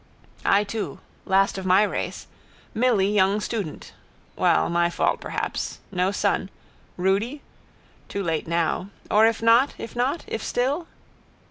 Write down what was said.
I too. Last of my race. Milly young student. Well, my fault perhaps. No son. Rudy. Too late now. Or if not? If not? If still?